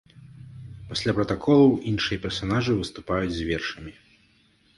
Пасля пратаколаў іншыя персанажы выступаюць з вершамі.